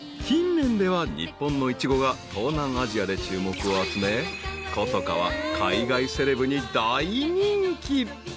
［近年では日本のイチゴが東南アジアで注目を集め古都華は海外セレブに大人気］